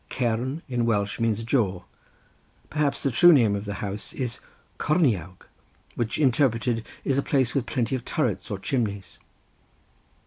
Cern in Welsh means a jaw. Perhaps the true name of the house is Corniawg, which interpreted is a place with plenty of turrets or chimneys.